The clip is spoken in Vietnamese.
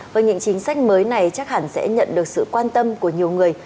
với những chính sách mới này chắc hẳn sẽ nhận được sự quan tâm của nhiều người